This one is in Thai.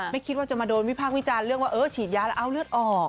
ไม่คิดว่าจะมาโดนวิพากษ์วิจารณ์เรื่องว่าเออฉีดยาแล้วเอาเลือดออก